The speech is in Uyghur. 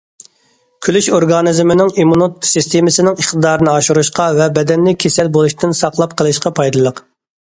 كۈلۈش ئورگانىزمنىڭ ئىممۇنىتېت سىستېمىسىنىڭ ئىقتىدارىنى ئاشۇرۇشقا ۋە بەدەننى كېسەل بولۇشتىن ساقلاپ قېلىشقا پايدىلىق.